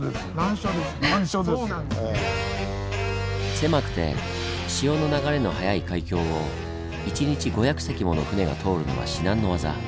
狭くて潮の流れの速い海峡を１日５００隻もの船が通るのは至難の業。